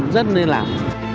rất nên làm